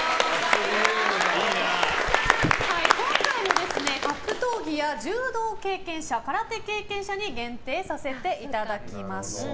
今回は格闘技や柔道経験者空手経験者に限定させていただきました。